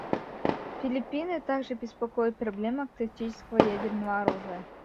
Филиппины также беспокоит проблема тактического ядерного оружия.